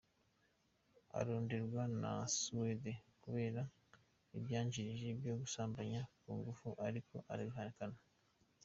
Aronderwa na Swede kubera ivyagiriji vyo gusambanya ku nguvu, ariko arabihakana.